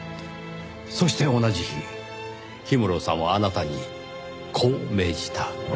そして同じ日氷室さんはあなたにこう命じた。